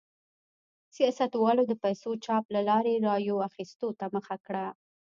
سیاستوالو د پیسو چاپ له لارې رایو اخیستو ته مخه کړه.